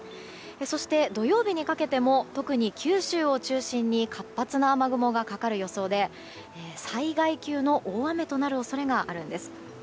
そして、土曜日にかけても特に九州を中心に活発な雨雲がかかる予想で災害級の大雨となる恐れがあるんです。